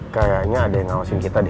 kayaknya ada yang ngawasin kita di